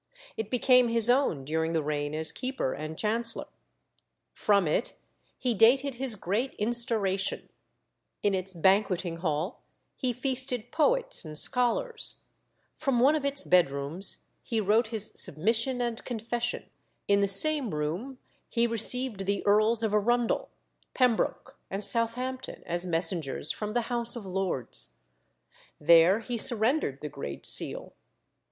It became his own during his reign as Keeper and Chancellor. From it he dated his great Instauration; in its banqueting hall he feasted poets and scholars; from one of its bed rooms he wrote his Submission and Confession; in the same room he received the Earls of Arundel, Pembroke, and Southampton, as messengers from the House of Lords; there he surrendered the Great Seal.